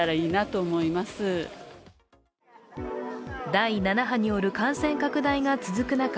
第７波による感染拡大が続く中